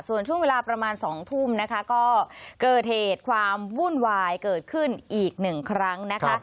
ส่วนช่วงเวลาประมาณ๒ทุ่มนะคะก็เกิดเหตุความวุ่นวายเกิดขึ้นอีกหนึ่งครั้งนะคะ